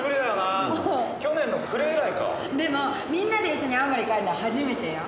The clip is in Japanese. でもみんなで一緒に青森帰るのは初めてよ。